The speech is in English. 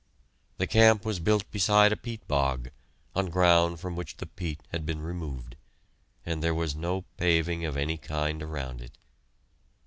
The camp was built beside a peat bog, on ground from which the peat had been removed, and there was no paving of any kind around it.